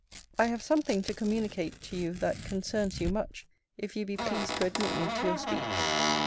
I have something to communicat to you that concernes you much, if you be pleased to admit me to youre speech.